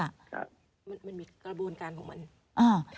มันมีกระบวนการของมันอ่า